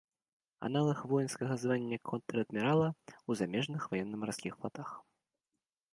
Аналаг воінскага звання контр-адмірала ў замежных ваенна-марскіх флатах.